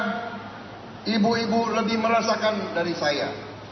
saya kira ibu ibu lebih merasakan dari saya